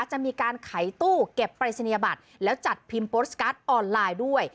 มีการขายตู้เก็บปรายศนียบัตรแล้วจัดพิมพ์โพสต์การ์ดออนไลน์ด้วย